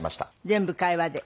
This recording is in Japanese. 全部会話で。